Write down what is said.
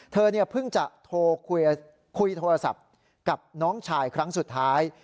เธอเพิ่งจะโทรคุยโทรศัพท์กับน้องชายครั้งสุดท้าย